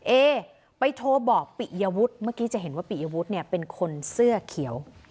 เอไปโทรบอกปิยวุฒิเมื่อกี้จะเห็นว่าปิยวุฒิเนี่ยเป็นคนเสื้อเขียว